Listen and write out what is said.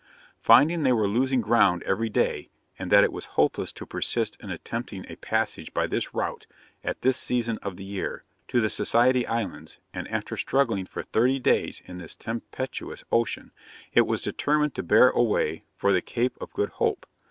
Finding they were losing ground every day, and that it was hopeless to persist in attempting a passage by this route, at this season of the year, to the Society Islands, and after struggling for thirty days in this tempestuous ocean, it was determined to bear away for the Cape of Good Hope.